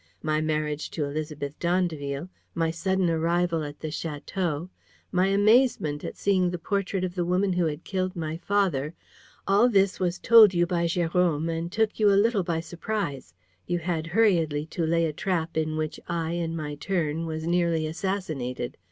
My marriage to Élisabeth d'Andeville, my sudden arrival at the château, my amazement at seeing the portrait of the woman who had killed my father: all this was told you by Jérôme and took you a little by surprise. You had hurriedly to lay a trap in which I, in my turn, was nearly assassinated.